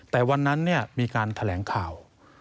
แต่วันนั้นมีการแถลงข่าว